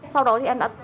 sau đó thì em đã